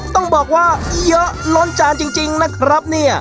ต้องบอกว่าเยอะล้นจานจริงนะครับเนี่ย